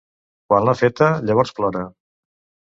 Quan l'ha feta, llavors plora.